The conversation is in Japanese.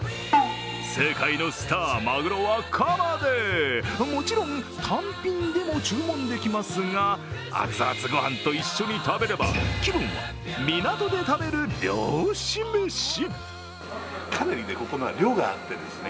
世界のスター、まぐろはカマでもちろん単品でも注文できますが、アツアツ御飯と一緒に食べれば、気分は港で食べる漁師メシ。